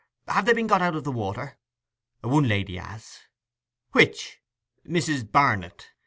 Have they been got out of the water?' 'One lady has.' 'Which?' 'Mrs. Barnet.